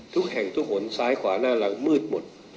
ทุกแห่งทุกหนซ้ายขวาหน้าหลังมืดหมด